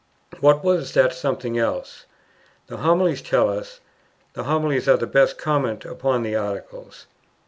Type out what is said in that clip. What was that something else? The Homilies tell us: the Homilies are the best comment upon the Articles.